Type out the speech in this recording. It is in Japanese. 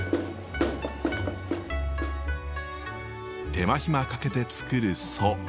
手間暇かけて作る蘇。